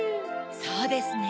そうですね。